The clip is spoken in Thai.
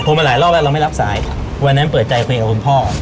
มาหลายรอบแล้วเราไม่รับสายวันนั้นเปิดใจคุยกับคุณพ่อ